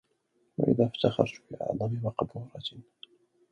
وإذا افتخرت بأعظم مقبورة